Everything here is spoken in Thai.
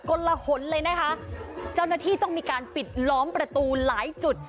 ลหนเลยนะคะเจ้าหน้าที่ต้องมีการปิดล้อมประตูหลายจุด